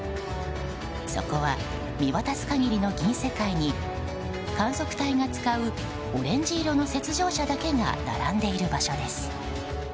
そこは見渡す限りの銀世界に観測隊が使うオレンジ色の雪上車だけが並んでいる場所です。